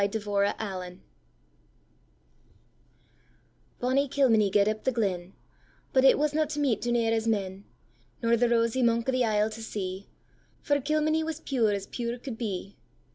Kilmeny BONNIE KILMENY gaed up the glen; But it wasna to met Duneira's men, Nor the rosy monk of the isle to see, For Kilmeny was pure as pure could be.